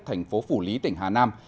thành phố phủ lý tỉnh hà nam